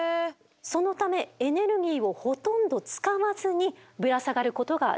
そのためエネルギーをほとんど使わずにぶら下がることができるのでございます。